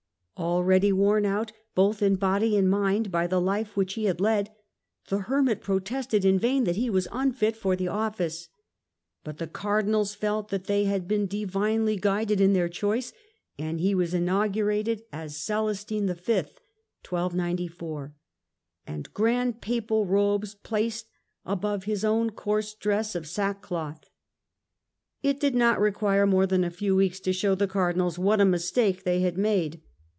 Already worn out, both in body and mind, by the life which he had led, the Hermit protested in vain that he was unfit for the office. But the Cardinals felt that they had been divinely guided in their choice, and he was in augurated as Celestine V., and grand Papal robes placed above his own coarse dress of sackcloth. It did not require more than a few weeks to show the Cardi nals what a mistake they had made.